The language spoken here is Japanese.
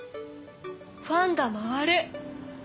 ファンが回る！